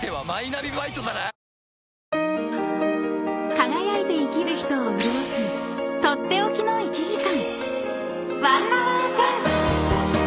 ［輝いて生きる人を潤す取って置きの１時間］